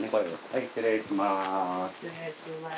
はい失礼します。